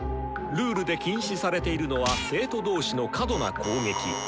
ルールで禁止されているのは生徒同士の過度な攻撃！